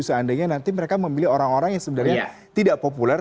seandainya nanti mereka memilih orang orang yang sebenarnya tidak populer